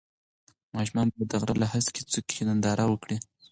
ماشومان باید د غره له هسکې څوکې ننداره وکړي.